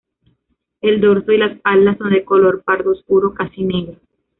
El dorso y las alas son de color pardo oscuro, casi negro.